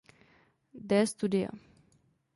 D. studia.